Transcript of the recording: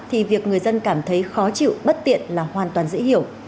thì việc người dân cảm thấy khó chịu bất tiện là hoàn toàn dễ hiểu